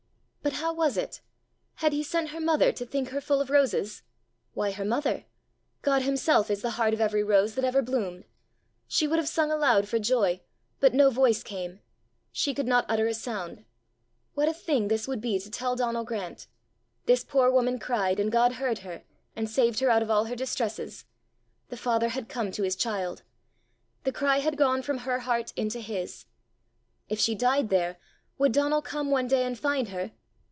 But how was it? Had he sent her mother to think her full of roses? Why her mother? God himself is the heart of every rose that ever bloomed! She would have sung aloud for joy, but no voice came; she could not utter a sound. What a thing this would be to tell Donal Grant! This poor woman cried, and God heard her, and saved her out of all her distresses! The father had come to his child! The cry had gone from her heart into his! If she died there, would Donal come one day and find her?